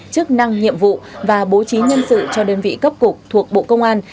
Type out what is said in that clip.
chức năng nhiệm vụ và bố trí nhân sự cho đơn vị cấp cục thuộc bộ công an